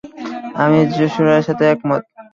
আমি জশুয়ার সাথে একমত!